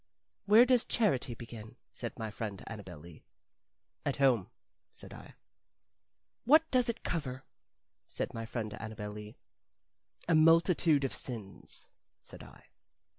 "Where does charity begin?" said my friend Annabel Lee. "At home," said I. "What does it cover?" said my friend Annabel Lee. "A multitude of sins," said I.